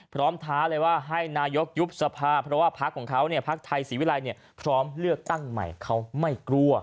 ท้าเลยว่าให้นายกยุบสภาเพราะว่าพักของเขาเนี่ยพักไทยศรีวิรัยพร้อมเลือกตั้งใหม่เขาไม่กลัว